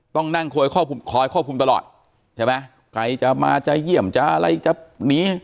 ต้องนั่งคอยควบคุมตลอดใช่ไหมใครจะมาจะเยี่ยมจะอะไรจะหนี